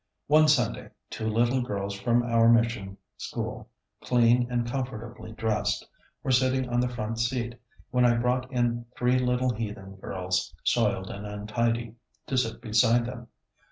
One Sunday, two little girls from our mission school, clean and comfortably dressed, were sitting on the front seat, when I brought in three little heathen girls, soiled and untidy, to sit beside them.